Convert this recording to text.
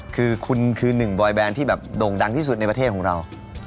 คือคุณคือหนึ่งบอยแบนที่แบบโด่งดังที่สุดในประเทศของเรา